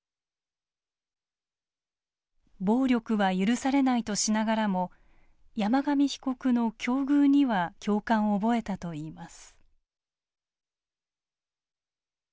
暴力は許されないとしながらも山上被告の境遇には共感を覚えたといいます。